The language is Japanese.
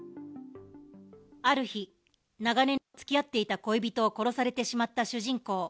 ある日、長年付き合っていた恋人を殺されてしまった主人公。